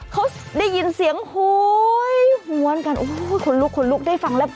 เขาได้ยินเสียงหวนกันโอ้โฮคนลุกได้ฟังแล้ว